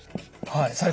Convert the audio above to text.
はい。